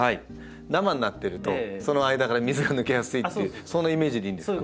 ダマになってるとその間から水が抜けやすいっていうそんなイメージでいいんですか？